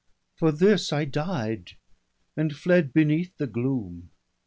For this I died, and fled beneath the gloom.